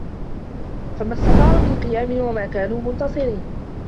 فَمَا استَطاعوا مِن قِيامٍ وَما كانوا مُنتَصِرينَ